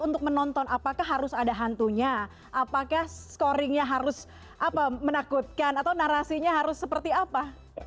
untuk menonton apakah harus ada hantunya apakah scoringnya harus menakutkan atau narasinya harus seperti apa